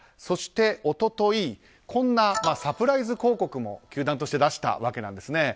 そして一昨日こんなサプライズ広告も球団として出したわけです。